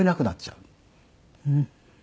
うん。